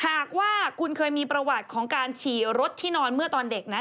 หากว่าคุณเคยมีประวัติของการฉี่รถที่นอนเมื่อตอนเด็กนะ